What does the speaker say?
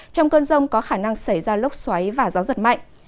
trong cơn rông có khả năng xảy ra lốc xoáy và gió giật mạnh